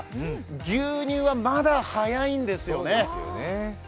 牛乳はまだ早いんですよね。